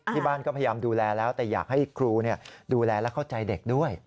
ที่บ้านก็พยายามดูแลแล้วแต่อยากให้ครูดูแลและเข้าใจเด็กด้วย